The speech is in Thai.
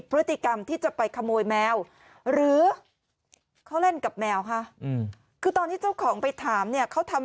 พฤติกรรมที่จะไปขโมยแมวหรือเขาเล่นกับแมวคะคือตอนที่เจ้าของไปถามเนี่ยเขาทำ